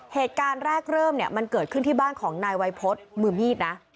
เหตุการณ์แรกเริ่มเนี่ยมันเกิดขึ้นที่บ้านของนายวัยพฤษมือมีดนะ